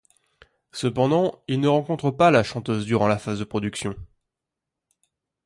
Cependant il ne rencontre pas la chanteuse durant la phase de production.